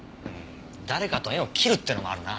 誰かと縁を切るっていうのもあるな。